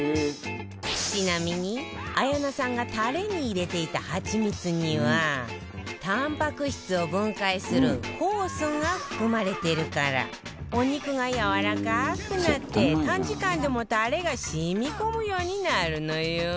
ちなみに綾菜さんがタレに入れていたはちみつにはタンパク質を分解する酵素が含まれてるからお肉がやわらかくなって短時間でもタレが染み込むようになるのよ